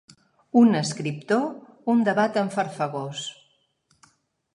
Un escriptor, un debat enfarfegós.